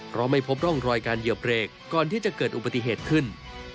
เพราะไม่พบร่องรอยการเหยียบเบรกก่อนที่จะเกิดอุบัติเหตุขึ้น